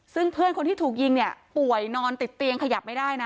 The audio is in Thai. ซึ่งเพื่อนคนที่ถูกยิงเนี่ยป่วยนอนติดเตียงขยับไม่ได้นะ